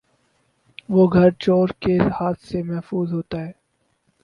وہ گھر چورکے ہاتھ سے ممحفوظ ہوتا ہے